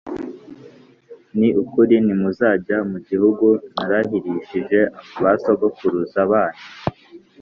Ni ukuri ntimuzajya mu gihugu narahirishije abasokuruza banyu